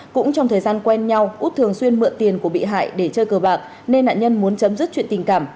cũng trong thời gian quen nhau út thường xuyên mượn tiền của bị hại để chơi cờ bạc nên nạn nhân muốn chấm dứt chuyện tình cảm